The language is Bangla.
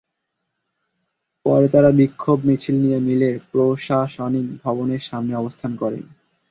পরে তাঁরা বিক্ষোভ মিছিল নিয়ে মিলের প্রশাসনিক ভবনের সামনে অবস্থান করেন।